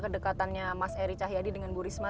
kedekatannya mas eri cahyadi dengan bu risma